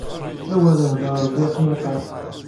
Awer iḥeddar Ṛebbi i qiriqac.